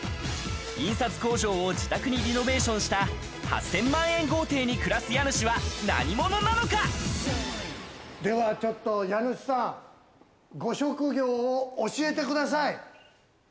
印刷工場を自宅にリノベーションした８０００万円豪邸に暮らす家主はではちょっと家主さん、ご職業を教えてください。